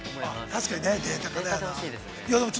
◆確かにね。